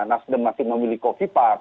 nasdem masih memilih kofipar